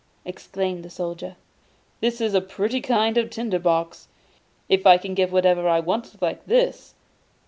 exclaimed the Soldier. 'This is a pretty kind of tinder box, if I can get whatever I want like this.